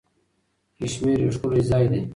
کشمیر یو ښکلی ځای دی.